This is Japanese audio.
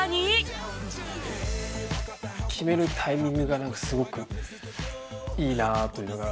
決めるタイミングがなんかすごくいいなというのが。